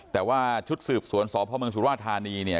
แต่ว่าชุดสืบสวนสพมสุรวาธานี